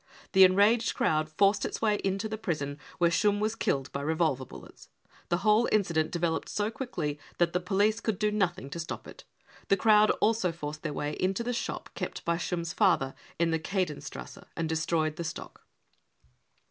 The enraged crowd forced its way into the prison, where Schumm was killed by revolver bullets. The whole incident developed so quickly that the police could do nothing to stop it. The crowd also forced their way into the shop kept by Schumm's father in the Kehdenstrasse and destroyed the stock.